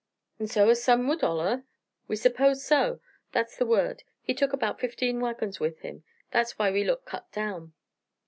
"An' so has Sam Woodhull, huh?" "We suppose so. That's the word. He took about fifteen wagons with him. That's why we look cut down."